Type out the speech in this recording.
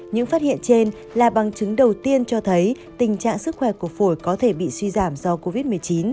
những phát hiện trên là bằng chứng đầu tiên cho thấy tình trạng sức khỏe của phổi có thể bị suy giảm do covid một mươi chín